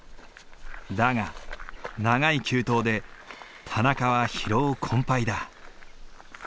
だが長い急登で田中は疲労困ぱいだ。